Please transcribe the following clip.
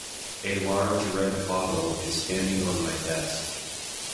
A large red bottle is standing on my desk.